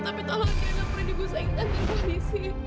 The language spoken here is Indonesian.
tapi tolong jangan laporin ibu saya ke polisi